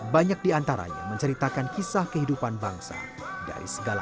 banyak diantaranya menceritakan kisah kehidupan bangsa dari segala